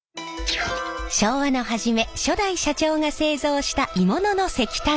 昭和の初め初代社長が製造した鋳物の石炭ストーブ。